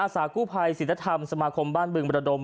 อศกุภัยศิษฐธรรมสมาคมบ้านบึงบัตรดมมือดี